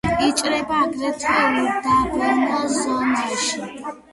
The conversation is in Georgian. იჭრება აგრეთვე უდაბნო ზონაში.